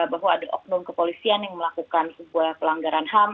bahwa ada oknum kepolisian yang melakukan sebuah pelanggaran ham